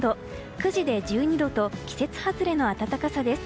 ９時で１２度と季節外れの暖かさです。